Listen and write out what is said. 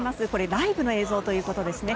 ライブの映像ということですね。